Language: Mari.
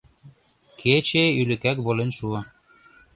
Кече ӱлыкак волен шуо.